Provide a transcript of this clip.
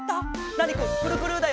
ナーニくんくるくるだよ。